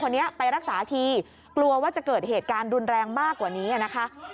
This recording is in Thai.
คนนี้ไปรักษาทีกลัวว่าจะเกิดเหตุการณ์รุนแรงมากกว่านี้นะคะ